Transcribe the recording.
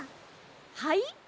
はい？